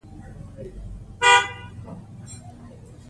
که اعتبار وي پیسې راځي.